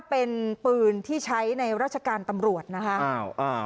เป็นปืนที่ใช้ในราชการตำรวจนะคะ